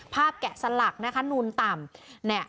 แกะสลักนะคะนูนต่ำ